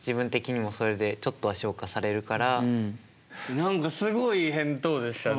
何かすごい返答でしたね。